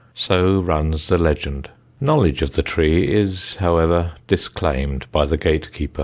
So runs the legend. Knowledge of the tree is, however, disclaimed by the gatekeeper.